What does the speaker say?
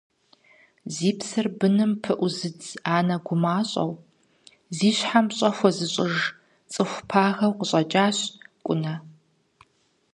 Зи псэр быным пыӏузыдз анэ гумащӏэу, зи щхьэм пщӏэ хуэзыщӏыж цӏыху пагэу къыщӏэкӏащ Кӏунэ.